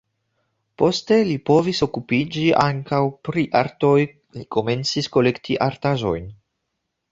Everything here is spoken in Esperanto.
Poste li povis okupiĝi ankaŭ pri artoj, li komencis kolekti artaĵojn.